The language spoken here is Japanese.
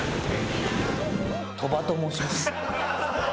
トバと申します。